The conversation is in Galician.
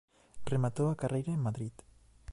Rematou a carreira en Madrid.